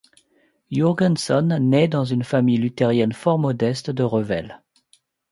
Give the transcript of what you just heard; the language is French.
Jurgenson naît dans une famille luthérienne fort modeste de Revel.